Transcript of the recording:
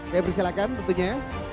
ya bersilakan tentunya